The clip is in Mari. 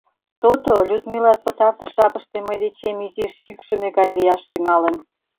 То-то, Людмилат пытартыш жапыште мый дечем изиш йӱкшымӧ гай лияш тӱҥалын.